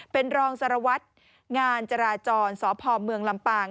เป็นรองสารวัตรงานจราจรสพเมืองลำปาง